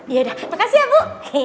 ya udah makasih ya bu